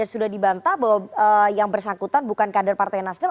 sudah dibantah bahwa yang bersangkutan bukan kader partai nasdem